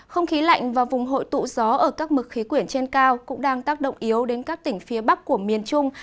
không khí lạnh và vùng hội tụ gió ở các mực khí quyển trên cao cũng đang tác động yếu đến các tỉnh phía bắc của miền trung